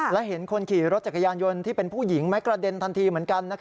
และเห็นคนขี่รถจักรยานยนต์ที่เป็นผู้หญิงไหมกระเด็นทันทีเหมือนกัน